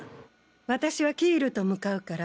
私はキールと向かうから